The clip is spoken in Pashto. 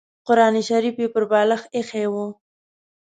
قران شریف یې پر بالښت اېښی و.